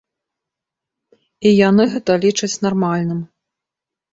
І яны гэта лічаць нармальным.